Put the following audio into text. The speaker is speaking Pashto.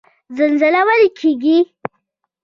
زلزله ولې کیږي؟